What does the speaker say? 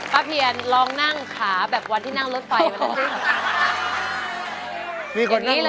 พระเภียรลองนั่งขาแบบวันที่นั่งรถไฟ